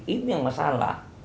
ini yang masalah